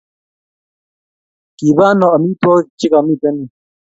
Kiba ano amitwogik chevkami yu?